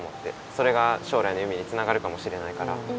それが将来の夢につながるかもしれないから。